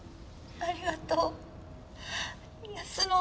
ありがとう泰乃